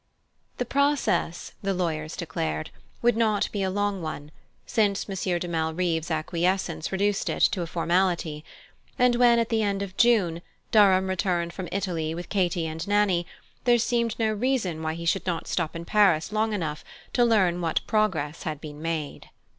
The process, the lawyers declared, would not be a long one, since Monsieur de Malrive's acquiescence reduced it to a formality; and when, at the end of June, Durham returned from Italy with Katy and Nannie, there seemed no reason why he should not stop in Paris long enough to learn what progress had been made.